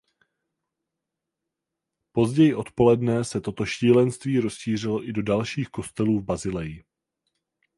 Později odpoledne se toto šílenství rozšířilo i do dalších kostelů v Basileji.